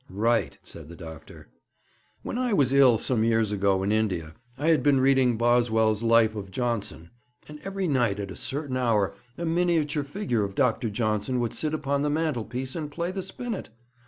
'Right,' said the doctor. 'When I was ill some years ago in India, I had been reading Boswell's "Life of Johnson," and every night at a certain hour a miniature figure of Dr. Johnson would sit upon the mantelpiece and play the spinet.